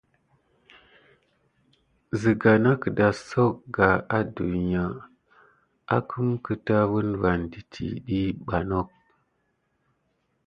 Siga na kedasok kiga aduya akum kida vune de tite diy ba nok.